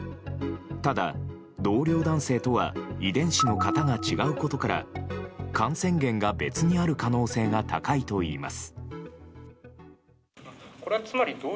ただ、同僚男性とは遺伝子の型が違うことから感染源が別にある可能性が高いといいます。